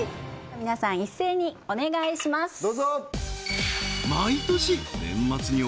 皆さん一斉にお願いします